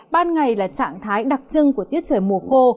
ban ngày là trạng thái đặc trưng của tiết trời mùa khô